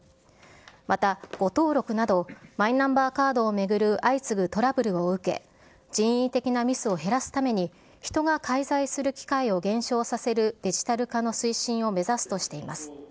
また、誤登録などマイナンバーカードを巡る相次ぐトラブルを受け、人為的なミスを減らすために、人が介在する機会を減少させるデジタル化の推進を目指すとしています。